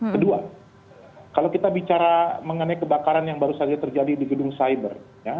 kedua kalau kita bicara mengenai kebakaran yang baru saja terjadi di gedung cyber